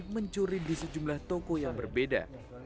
mencuri di sejumlah toko yang berbeda